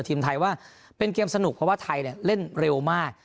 ทีมไทยว่าเป็นเกมสนุกเพราะว่าไทยเล่นเร็วมาก